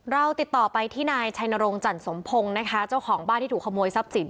เราติดต่อไปที่นายชัยนรงจันสมพงศ์นะคะเจ้าของบ้านที่ถูกขโมยทรัพย์สิน